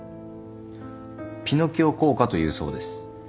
ピノキオ効果というそうです。